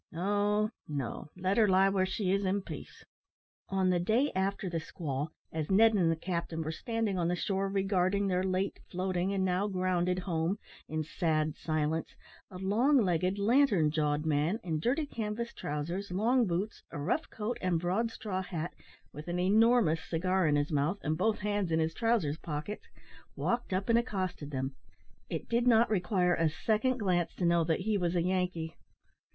No, no; let her lie where she is in peace." On the day after the squall, as Ned and the captain were standing on the shore regarding their late floating, and now grounded, home in sad silence, a long legged, lantern jawed man, in dirty canvas trousers, long boots, a rough coat, and broad straw hat, with an enormous cigar in his mouth, and both hands in his trousers pockets, walked up and accosted them. It did not require a second glance to know that he was a Yankee.